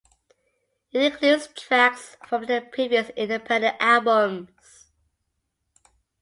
It includes tracks from their previous independent albums.